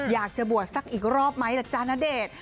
อยากจะบวชสักอีกรอบไหมล่ะจ๊ะณเดชน์